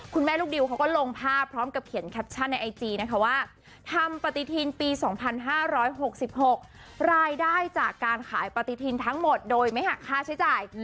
ลูกดิวเขาก็ลงภาพพร้อมกับเขียนแคปชั่นในไอจีนะคะว่าทำปฏิทินปี๒๕๖๖รายได้จากการขายปฏิทินทั้งหมดโดยไม่หักค่าใช้จ่าย